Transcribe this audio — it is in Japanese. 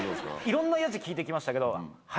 いろんなやじ聞いて来ましたけど。